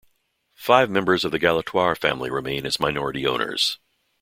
Five members of the Galatoire family remain as minority owners.